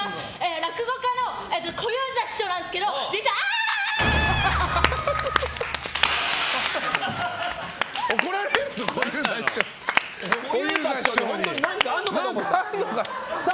落語家の小遊三師匠なんですけど実は、ああ！